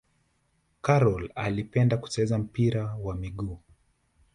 Karol alipenda kucheza mpira wa miguu